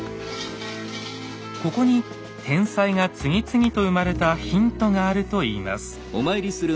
ここに天才が次々と生まれたヒントがあるといいます。